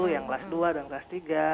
yang kelas dua dan kelas tiga